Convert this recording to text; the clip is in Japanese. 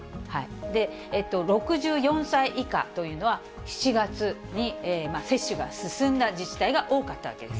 ６４歳以下というのは７月に接種が進んだ自治体が多かったわけです。